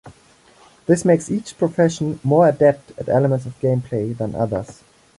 This makes each profession more adept at elements of gameplay than others.